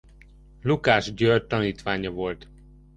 Lukács György tanítványa volt.